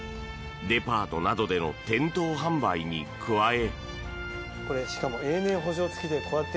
デパートなどでの店頭販売に加え。